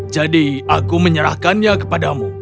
jadi aku menyerahkannya kepadamu